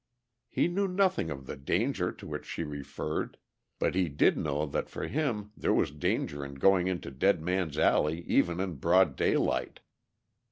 He knew nothing of the danger to which she referred, but he did know that for him there was danger in going into Dead Man's Alley even in broad daylight.